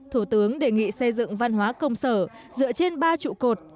thủ tướng đề nghị xây dựng văn hóa công sở dựa trên ba trụ cột